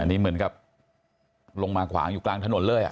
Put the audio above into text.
อันนี้เหมือนกับลงมาขวางอยู่กลางถนนเลย